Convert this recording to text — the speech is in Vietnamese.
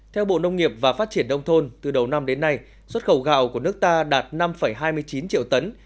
theo bộ nông nghiệp và phát triển đông thôn từ đầu năm đến nay xuất khẩu gạo của nước ta đạt năm hai mươi chín triệu tấn